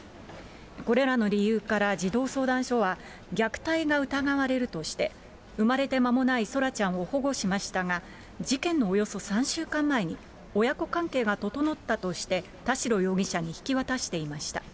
これらの理由から児童相談所は、虐待が疑われるとして、生まれてまもない空来ちゃんを保護しましたが、事件のおよそ３週間前に、親子関係が整ったとして、田代容疑者に引き渡していました。